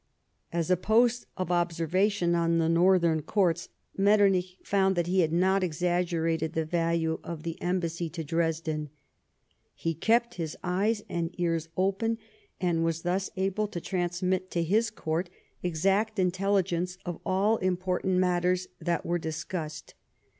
As a post of observation on the Northern Courts, Metternich found that he had not exaggerated the value of the embassy to Dresden. He kept his eyes and ears open, and was thus able to transmit to his Court exact intelligence of all important matters that were discussed.